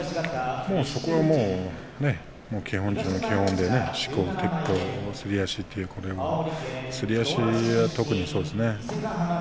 そこはもう基本中の基本でしこ、てっぽう、すり足すり足は特にそうですね。